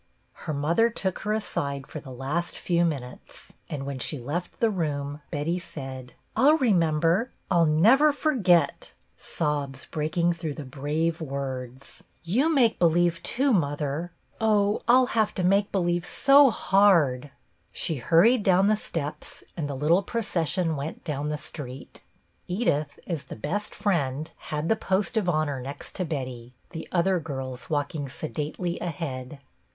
Her mother took her aside for the last few minutes, and when she left the room Betty said, —" I 'll remember. I 'll never forget," sobs breakinsr throusrh the brave words. "You AT LAST THE DAY! 39 make believe, too, mother. Oh, I 'll have to make believe so hard!" She hurried down the steps and the little procession went down the street. Edith, as the best friend, had the post of honor next to Betty, the other girls walking sedately ahead.